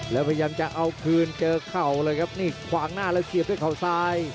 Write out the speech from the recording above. แล้วพยายามจะเอาคืนเจอเข่าเลยครับนี่ขวางหน้าแล้วเสียบด้วยเขาซ้าย